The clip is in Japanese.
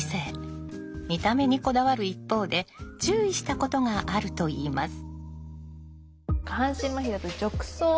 見た目にこだわる一方で注意したことがあるといいます。